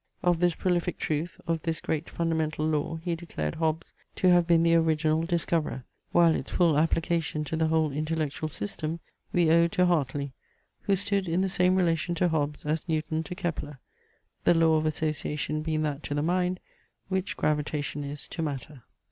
Of this prolific truth, of this great fundamental law, he declared Hobbes to have been the original discoverer, while its full application to the whole intellectual system we owed to Hartley; who stood in the same relation to Hobbes as Newton to Kepler; the law of association being that to the mind, which gravitation is to matter.